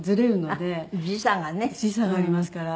時差がありますから。